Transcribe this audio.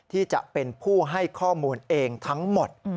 ที่จะเป็นผู้ให้ข้อมูลเองทั้งหมด